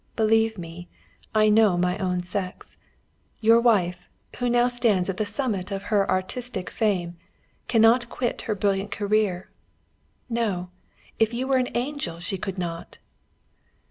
Believe me, I know my own sex. Your wife, who now stands at the summit of her artistic fame, cannot quit her brilliant career. No! If you were an angel she could not."